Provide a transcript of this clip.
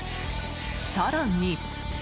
更に。